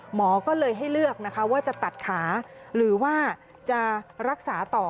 หมอก็เลยให้เลือกนะคะว่าจะตัดขาหรือว่าจะรักษาต่อ